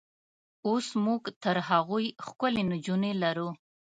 اوس موږ تر هغوی ښکلې نجونې لرو.